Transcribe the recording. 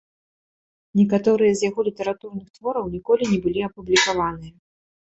Некаторыя з яго літаратурных твораў ніколі не былі апублікаваныя.